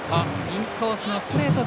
インコースのストレート